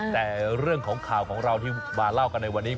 แต่เรื่องของข่าวของเราที่มาเล่ากันในวันนี้